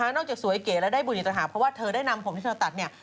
จากสวยเก๋และได้บุญอีกต่างหากเพราะว่าเธอได้นำผมที่เธอตัดเนี่ย